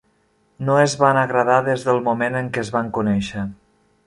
No es van agradar des del moment en què es van conèixer.